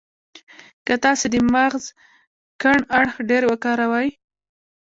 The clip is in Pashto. که تاسې د مغز کڼ اړخ ډېر کاروئ.